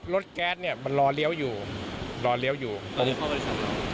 รถแก๊สเนี้ยมันรอเลี้ยวอยู่รอเลี้ยวอยู่ตอนนี้เข้าบริษัทเรา